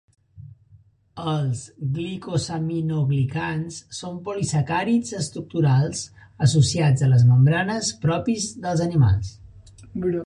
Els glicosaminoglicans són polisacàrids estructurals associats a les membranes propis dels animals.